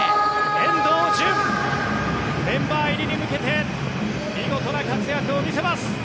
遠藤純メンバー入りに向けて見事な活躍を見せます。